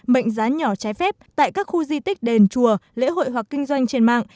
mệnh giá nhỏ trái phép tại các khu di tích đền chùa lễ hội hoặc kinh doanh trên mạng